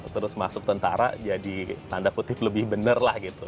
terus masuk tentara jadi tanda kutip lebih bener lah gitu